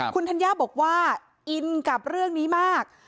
คุณธัญญาบอกว่าอินกับเรื่องนี้มาก